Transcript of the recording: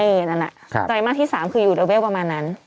นั่นอ่ะไตรมาสที่๓คืออยู่ระเวลประมาณนั้น